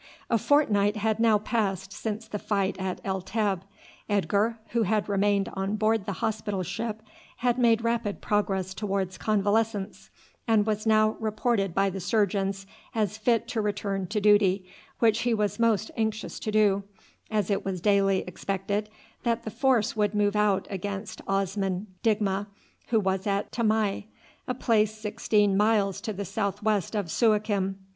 A fortnight had now passed since the fight at El Teb. Edgar, who had remained on board the hospital ship, had made rapid progress towards convalescence, and was now reported by the surgeons as fit to return to duty, which he was most anxious to do, as it was daily expected that the force would move out against Osman Digma, who was at Tamai, a place sixteen miles to the south west of Suakim.